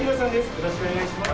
よろしくお願いします。